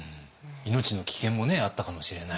命の危険もあったかもしれない中で。